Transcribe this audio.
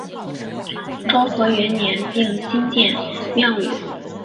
昭和元年并新建庙宇。